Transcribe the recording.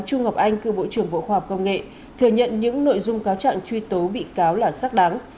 chu ngọc anh cựu bộ trưởng bộ khoa học công nghệ thừa nhận những nội dung cáo trạng truy tố bị cáo là xác đáng